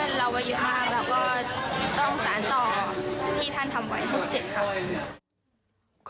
เอาคำสอนด้วยก็